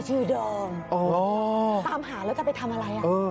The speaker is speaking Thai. ใส่เมีย